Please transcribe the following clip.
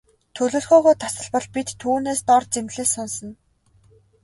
Төлөвлөгөө тасалбал бид түүнээс дор зэмлэл сонсоно.